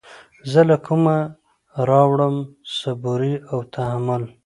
زه له كومه راوړم صبوري او تحمل